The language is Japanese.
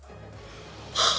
はあ